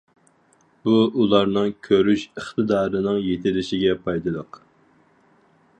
بۇ ئۇلارنىڭ كۆرۈش ئىقتىدارىنىڭ يېتىلىشىگە پايدىلىق.